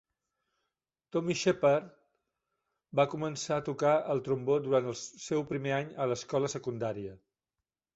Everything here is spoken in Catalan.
Tommy Shepard va començar a tocar el trombó durant el seu primer any a l'escola secundària.